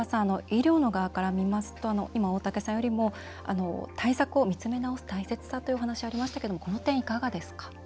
医療の側から見ますと今、大竹さんよりも対策を見つめ直す大切さというお話ありましたけれどもこの点、いかがですか？